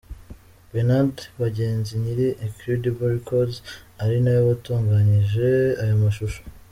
Bernard Bagenzi nyiri Incredible Records ari nawe watunganyije aya mashusho.